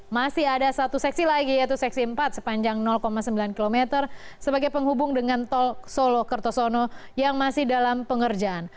masih ada satu seksi lagi yaitu seksi empat sepanjang sembilan km sebagai penghubung dengan tol solo kertosono yang masih dalam pengerjaan